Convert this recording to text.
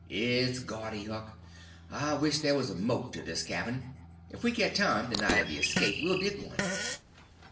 It's gaudy, Huck. I wish there was a moat to this cabin. If we get time, the night of the escape, we'll dig one."